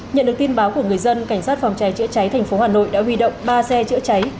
nhận được tin báo của người dân cảnh sát phòng cháy chữa cháy thành phố hà nội đã huy động ba xe chữa cháy